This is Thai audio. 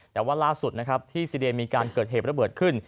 แต่ว่าล่าสุดนะครับที่ซีเรียมีการเกิดเหตุระเบิดขึ้น